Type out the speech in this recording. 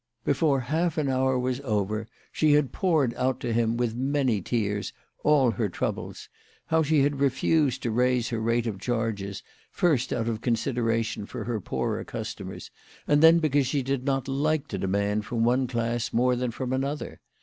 Before half an hour was over 76 WHY FEAT: FROHMANX EAISED HEE TEICES. she had poured out to him, with many tears, all her troubles ; how she had refused to raise her rate of charges, first out of consideration for her poorer cus tomers, and then because she did not like to demand from one class more than from another.